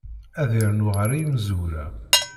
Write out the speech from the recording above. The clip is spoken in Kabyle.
Ad yernu ɣer yimezwura.